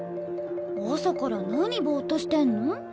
朝から何ボーッとしてんの？